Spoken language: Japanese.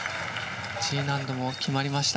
Ｇ難度も決まりました。